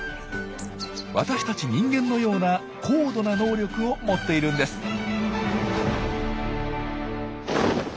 私たち人間のような高度な能力を持っているんです。